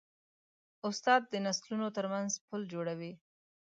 استاد د نسلونو ترمنځ پل جوړوي.